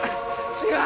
違う！